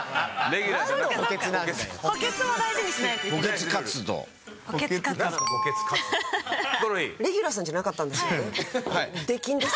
レギュラーさんじゃなかったんですよね？